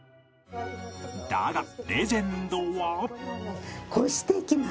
だがレジェンドは